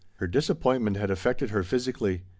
Her disappointment had affected her phys ically.